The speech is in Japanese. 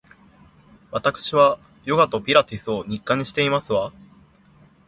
わたくしはヨガとピラティスを日課にしていますわ